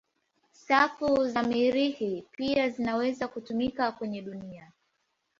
Safu za Mirihi pia zinaweza kutumika kwenye dunia.